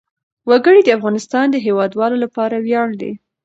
وګړي د افغانستان د هیوادوالو لپاره ویاړ دی.